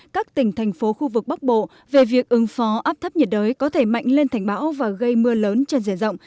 các tỉnh thành phố khu vực bắc bộ về việc ứng phó áp thấp nhiệt đới có thể mạnh lên thành bão và gây mưa lớn trên diện rộng